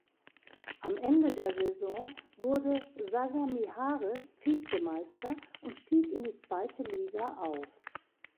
Am Ende der Saison wurde Sagamihare Vizemeister und stieg in die zweite Liga auf.